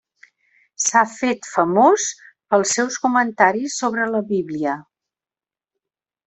S'ha fet famós pels seus comentaris sobre la Bíblia.